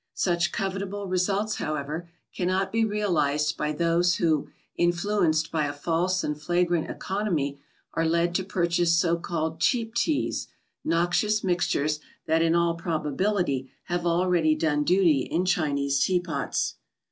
Such covetable results, however, cannot be realised by those who, influenced by a false and flagrant economy, are led to purchase so called "cheap Teas," noxious mixtures that in all probability have already done duty in Chinese tea pots.